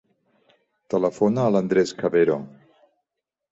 Telefona a l'Andrés Cavero.